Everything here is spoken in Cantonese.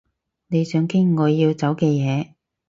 你想傾我要走嘅嘢